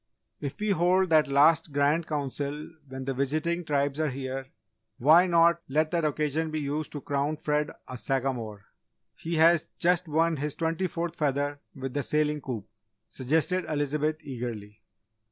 "If we hold that last Grand Council when the visiting Tribes are here why not let that occasion be used to crown Fred a Sagamore? He has just won his twenty fourth feather with the sailing coup," suggested Elizabeth, eagerly.